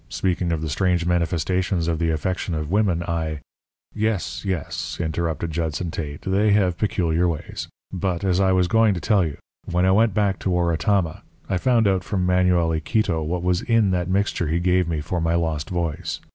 Speaking of the strange manifestations of the affection of women, I " "Yes, yes," interrupted Judson Tate; "they have peculiar ways. But, as I was going to tell you: when I went back to Oratama I found out from Manuel Iquito what was in that mixture he gave me for my lost voice.